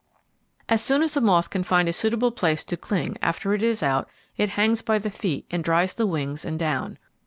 As soon as a moth can find a suitable place to cling after it is out, it hangs by the feet and dries the wings and down.